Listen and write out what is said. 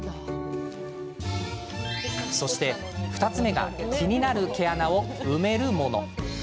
そして、２つ目が気になる毛穴を埋めるもの。